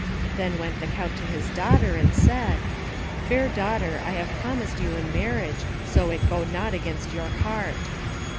Then went the Count to his daughter, and said, "Fair daughter, I have promised you in marriage, so it go not against your heart."